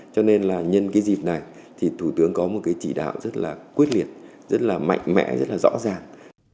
cho nên là nhân cái dịp này thì thủ tướng có một cái chỉ đạo rất là quyết liệt rất là mạnh mẽ rất là rõ ràng